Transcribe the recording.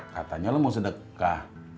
katanya lo mau sedekah